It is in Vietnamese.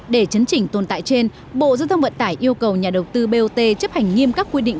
để chấn chỉnh tồn tại trên bộ giao thông vận tải yêu cầu nhà đầu tư bot chấp hành nghiêm các quy định